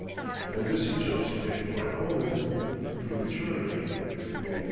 And this he chose to take for an omen prematurely, it may be.